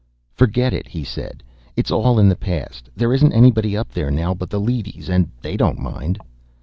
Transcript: "Forget it," he said. "It's all in the past. There isn't anybody up there now but the leadys, and they don't mind."